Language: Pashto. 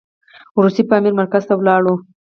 روسي پامیر مرکز ته ولاړو.